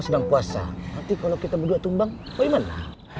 nanti kalo kita berdua tumbang poin bener